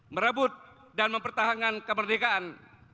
merebut dan mempertahankan kemerdekaan